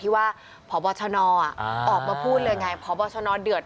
พี่บ้านไม่อยู่ว่าพี่คิดดูด